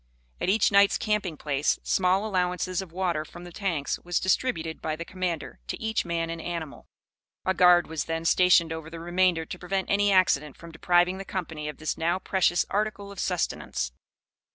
At each night's camping place, small allowances of water from the tanks was distributed by the commander to each man and animal. A guard was then stationed over the remainder to prevent any accident from depriving the company of this now precious article of sustenance.